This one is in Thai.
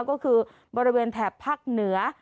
ก็คือบริเวณแถบภาคเหนือ